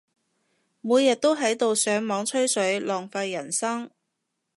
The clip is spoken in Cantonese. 每日都喺度上網吹水，浪費人生